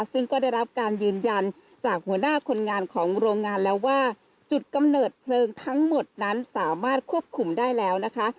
ซึ่งก็ได้รับการยืนยันจากหัวหน้าคนงานของโรงงานแล้วว่าจุดกำเนิดเพลิงทั้งหมดนั้นสามารถควบคุมได้แล้วนะคะ